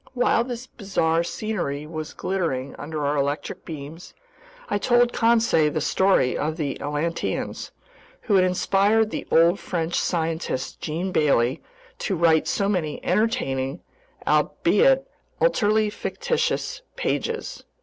While this bizarre scenery was glittering under our electric beams, I told Conseil the story of the Atlanteans, who had inspired the old French scientist Jean Bailly to write so many entertaining—albeit utterly fictitious—pages.